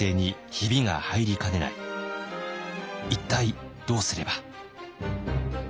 一体どうすれば」。